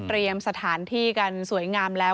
สถานที่กันสวยงามแล้ว